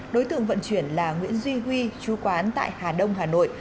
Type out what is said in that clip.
đối tượng vận chuyển là nguyễn duy huy chú quán tại hà đông hà nội